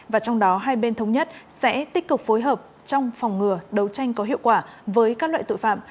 và trong đó hai bên thống nhất sẽ tích cực phối hợp trong phòng ngừa đấu tranh có hiệu quả với các loại tội phạm